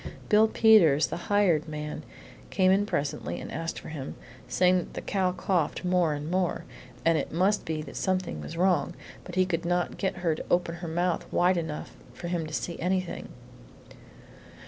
Bill Peters, the hired man, came in presently and asked for him, saying that the cow coughed more and more, and it must be that something was wrong, but he could not get her to open her mouth wide enough for him to see anything.